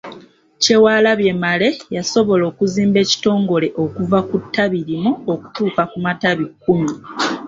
Kyewalabye Male yasobola okuzimba ekitongole okuva ku ttabi limu okutuuka ku matabi kkumi.